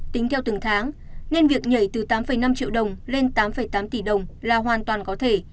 tính theo từng tháng nên việc nhảy từ tám năm triệu đồng lên tám tám tỷ đồng là hoàn toàn có thể